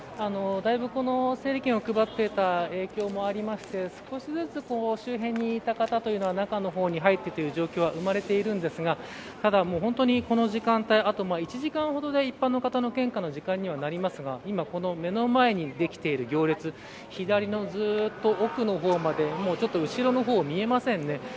だいぶ整理券を配っていた影響もありまして少しずつ周辺にいた方というのは中の方に入ってという状況は生まれているんですがただ、本当にこの時間帯あと１時間ほどで一般の方の献花の時間になりますが今、この目の間にできている行列左のずっと奥の方まで後ろの方、見えませんね。